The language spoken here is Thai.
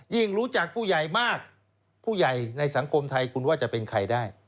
รู้จักผู้ใหญ่มากผู้ใหญ่ในสังคมไทยคุณว่าจะเป็นใครได้